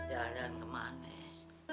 jalan jalan kemana ya